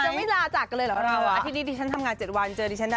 สวัสดีค่ะสวัสดีค่ะ